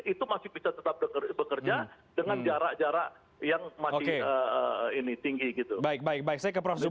itu masih bisa tetap bekerja dengan jarak jarak yang masih tinggi gitu